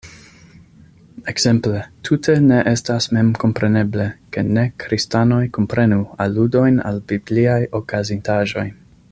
Ekzemple, tute ne estas memkompreneble, ke ne-kristanoj komprenu aludojn al bibliaj okazintaĵoj.